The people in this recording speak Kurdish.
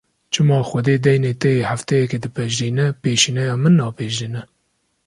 Çima Xwedê deynê te yê hefteyekê dipejirîne, pêşîneya min napejirîne!